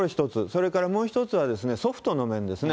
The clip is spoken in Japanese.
それから、もう１つはソフトの面ですね。